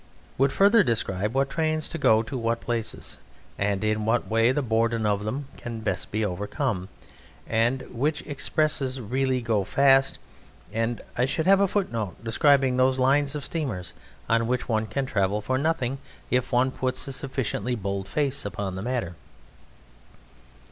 would further describe what trains go to what places, and in what way the boredom of them can best be overcome, and which expresses really go fast; and I should have a footnote describing those lines of steamers on which one can travel for nothing if one puts a sufficiently bold face upon the matter.